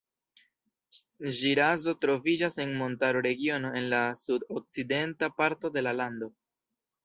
Ŝirazo troviĝas en montara regiono en la sud-okcidenta parto de la lando.